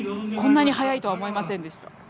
こんなに早いとは思いませんでした。